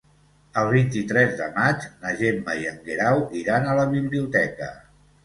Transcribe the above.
El vint-i-tres de maig na Gemma i en Guerau iran a la biblioteca.